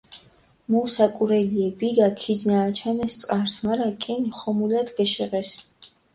მუ საკურელიე, ბიგა ქიდჷნააჩანეს წყარსჷ, მარა კინი ხომულათ გეშეღესჷ.